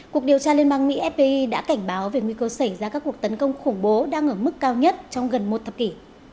cuộc điều tra liên bang mỹ fbi đã cảnh báo về nguy cơ xảy ra các cuộc tấn công khủng bố đang ở mức cao nhất trong gần một thập kỷ